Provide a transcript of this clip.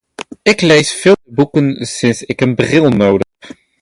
Ik lees veel minder boeken sinds ik een bril nodig heb.